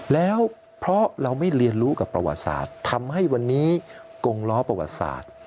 แล้วเพราะเราไม่เรียนรู้กับประวัติศาสตร์ทำให้วันนี้กงล้อประวัติศาสตร์